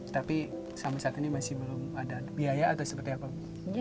tapi sampai saat ini masih belum ada biaya atau seperti apa bu